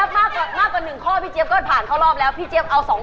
พี่เจฟมากกว่าหนึ่งข้อพี่เจฟก็จะผ่าน